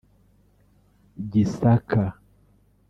Gisaka